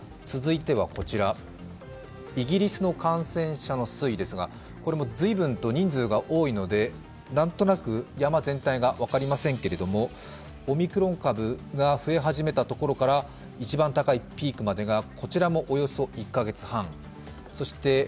続いてはこちら、イギリスの感染者の推移ですが、これも随分と人数が多いので、何となく山全体が分かりませんけれども、オミクロン株が増え始めたところから一番高いピークまでが、こちらもおよそ１カ月半。